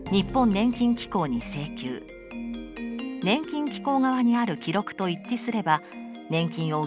年金機構側にある記録と一致すれば年金を受け取ることができます。